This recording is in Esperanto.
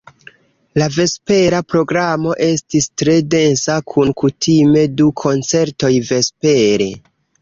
La vespera programo estis tre densa kun kutime du koncertoj vespere.